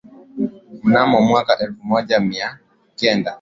mnamo mwaka elfu moja mia kenda